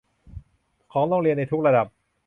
ของโรงเรียนในทุกระดับ